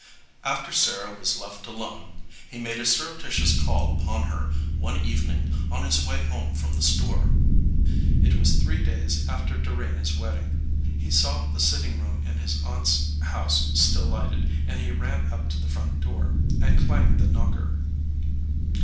After Sarah was left alone he made a surrepti tious call upon her one evening on his way home from the store. It was three days after Dorena s wedding. He saw; the sitting room in his aunt s house still lighted, and he ran up to the front door and clanged the knocker.